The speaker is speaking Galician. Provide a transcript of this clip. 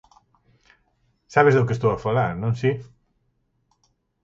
Sabes do que estou a falar, non si?